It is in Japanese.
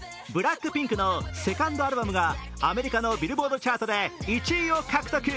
ＢＬＡＣＫＰＩＮＫのセカンドアルバムがアメリカのビルボードチャートで１位を獲得。